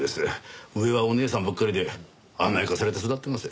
上はお姉さんばっかりで甘やかされて育ってます。